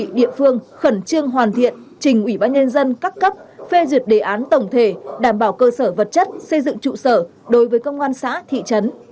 các địa phương khẩn trương hoàn thiện trình ủy ban nhân dân các cấp phê duyệt đề án tổng thể đảm bảo cơ sở vật chất xây dựng trụ sở đối với công an xã thị trấn